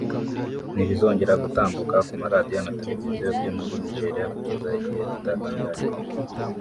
ntizizongera gutambuka ku maradiyo na Televiziyo byo muri Nigeria kugeza igihe kitatangajwe